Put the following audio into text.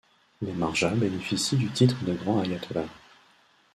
Les marjas bénéficient du titre de Grand Ayatollah.